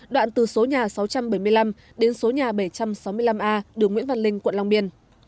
đoạn từ số nhà sáu trăm bảy mươi năm đến số nhà bảy trăm sáu mươi năm a đường nguyễn văn linh quận long biên